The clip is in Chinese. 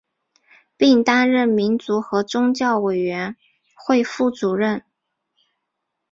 并担任民族和宗教委员会副主任。